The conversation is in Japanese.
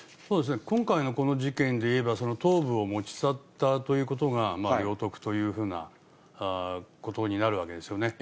今回のこの事件でいえば、頭部を持ち去ったということが領得というふうなことになるわけですよね。